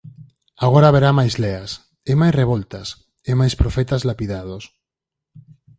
Agora haberá máis leas, e máis revoltas, e máis profetas lapidados.